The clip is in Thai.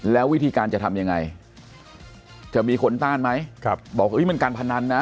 แล้ววิธีการจะทำยังไงจะมีคนต้านไหมบอกมันการพนันนะ